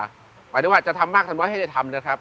หมายถึงว่าจะทำมากทำไว้ให้ได้ทำนะครับ